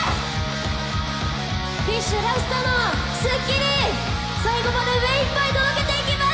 ＢｉＳＨラストの『スッキリ』、最後までめいっぱい届けていきます。